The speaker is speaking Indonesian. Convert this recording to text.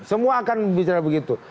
semua akan bicara begitu